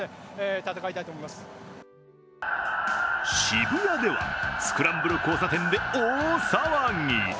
渋谷ではスクランブル交差点で大騒ぎ。